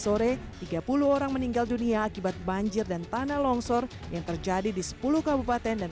sore tiga puluh orang meninggal dunia akibat banjir dan tanah longsor yang terjadi di sepuluh kabupaten dan